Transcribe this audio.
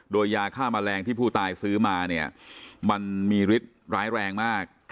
โดยยาฆ่าแมลงที่ผู้ตายซื้อมาเนี่ยมันมีฤทธิ์ร้ายแรงมาก